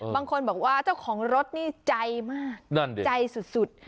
บางคนบอกว่าเจ้าของรถนี่ใจมากนั่นดิใจสุด